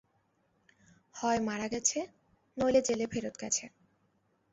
হয় মারা গেছে, নইলে জেলে ফেরত গেছে।